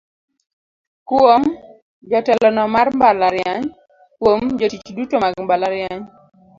Kuom: Jatelono mar mbalariany Kuom: Jotich duto mag mbalariany.